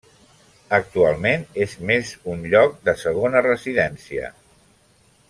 Actualment és més un lloc de segona residència.